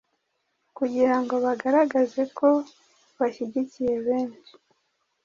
kugira ngo bagaragaze ko bahyigikiye Benhi